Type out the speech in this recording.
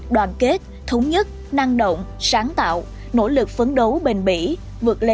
đoàn kết thống nhất năng động sáng tạo nỗ lực phấn đấu bền bỉ vượt lên